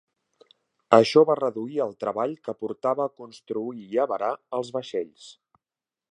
Això va reduir el treball que portava construir i avarar els vaixells.